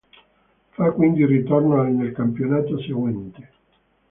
Fa quindi ritorno al nel campionato seguente.